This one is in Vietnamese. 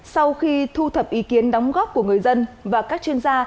sau khi thu thập ý kiến đóng góp của người dân và các chuyên gia